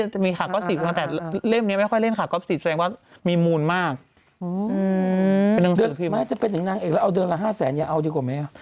จะเป็นหนังเอกแล้วเอาเดือนละ๕๐๐๐๐๐อย่าเอาดีกว่าไหม